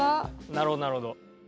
なるほどなるほど。